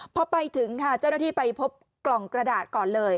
พอไปถึงค่ะเจ้าหน้าที่ไปพบกล่องกระดาษก่อนเลย